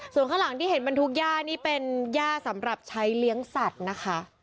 ส่วนข้างหลังที่เห็นบรรทุกย่านี่เป็นย่าสำหรับใช้เลี้ยงสัตว์นะคะ